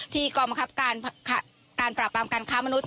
กรมคับการปราบรามการค้ามนุษย